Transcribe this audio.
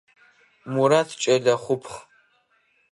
Мурат кӏэлэ хъупхъ.